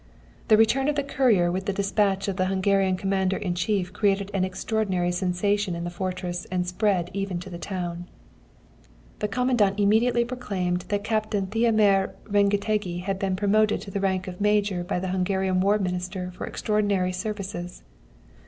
"The return of the courier with the despatch of the Hungarian Commander in chief created an extraordinary sensation in the fortress and spread even to the town. The Commandant immediately proclaimed that Captain Tihamér Rengetegi had been promoted to the rank of Major by the Hungarian War Minister for extraordinary services.